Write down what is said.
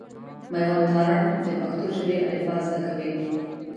مېوند تارڼ د پښتو ژبي الفبا زده کوي.